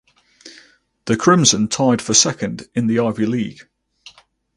The Crimson tied for second in the Ivy League.